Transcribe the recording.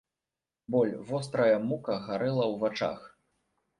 Боль, вострая мука гарэла ў вачах.